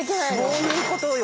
そういうことよ。